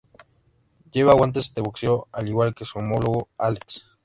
Lleva guantes de boxeo, al igual que su homólogo Alex.